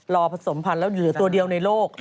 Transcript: ผสมพันธุ์แล้วเหลือตัวเดียวในโลก